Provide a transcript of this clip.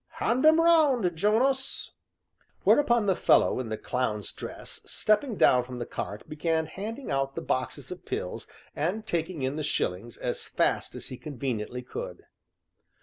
Hand 'em round, Jonas." Whereupon the fellow in the clown's dress, stepping down from the cart, began handing out the boxes of pills and taking in the shillings as fast as he conveniently could.